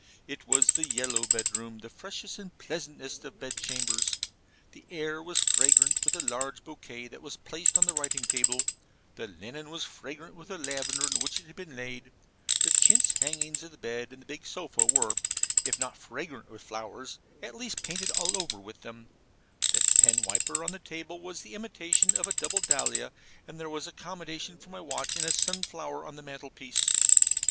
It was the yellow bedroom, the freshest and pleasantest of bed chambers; the air was fragrant with a large bouquet that was placed on the writing table; the linen was fragrant with the lavender in which it had been laid; the chintz hangings of the bed and the big sofa were, if not fragrant with flowers, at least painted all over with them; the pen wiper on the table was the imitation of a double dahlia; and there was accommodation for my watch in a sun flower on the mantelpiece.